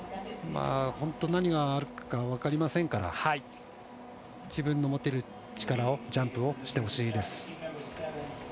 本当、何があるか分かりませんから自分の持てる力ジャンプをしてほしいです。